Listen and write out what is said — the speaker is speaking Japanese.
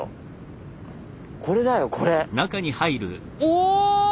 これだよこれ。